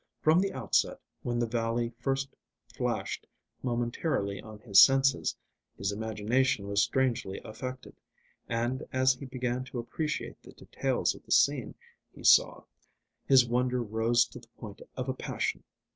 From the outset, when the valley first flashed momentarily on his senses, his imagination was strangely affected, and, as he began to appreciate the details of the scene he saw, his wonder rose to the point of a passion.